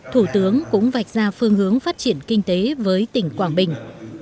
thủ tướng cũng vạch ra phương hướng phát triển kinh tế với tỉnh quảng bình